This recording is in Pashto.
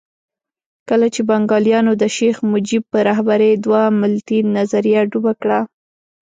کله چې بنګالیانو د شیخ مجیب په رهبرۍ دوه ملتي نظریه ډوبه کړه.